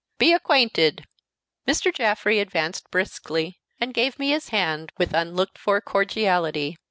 "Be acquainted!" Mr. Jaffrey advanced briskly, and gave me his hand with unlooked for cordiality.